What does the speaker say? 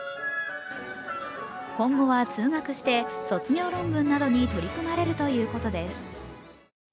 今後は通学して、卒業論文などに取り組まれるということです。